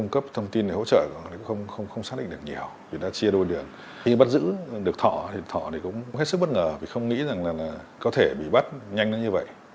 có thể bị bắt nhanh như vậy